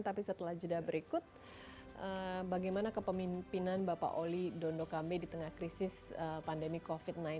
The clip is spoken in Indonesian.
tapi setelah jeda berikut bagaimana kepemimpinan bapak oli dondokambe di tengah krisis pandemi covid sembilan belas